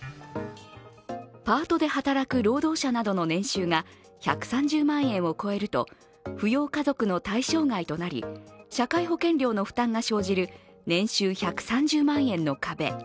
パートで働く労働者などの年収が１３０万円を超えると扶養家族の対象外となり社会保険料の負担が生じる年収１３０万円の壁。